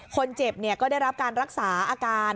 คนเจ็บก็ได้รับการรักษาอาการ